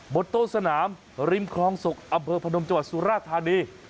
บนโต๊ะสนามริมคลองศกอำเภอพนมจังหวัดสุราธานี